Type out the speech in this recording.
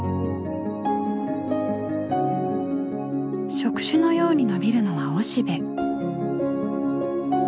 触手のように伸びるのはおしべ。